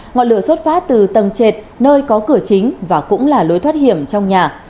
ngọn lửa xuất phát từ tầng trệt nơi có cửa chính và cũng là lối thoát hiểm trong nhà